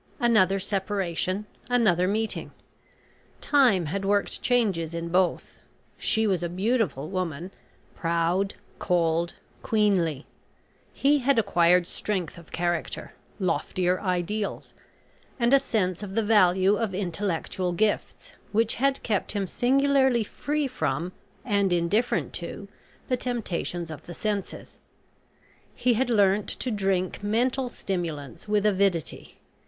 Another separation another meeting. Time had worked changes in both. She was a beautiful woman, proud, cold, queenly he had acquired strength of character, loftier ideals, and a sense of the value of intellectual gifts, which had kept him singularly free from and indifferent to, the temptations of the senses. He had learnt to drink mental stimulants with avidity.